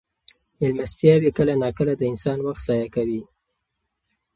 مېلمستیاوې کله ناکله د انسان وخت ضایع کوي.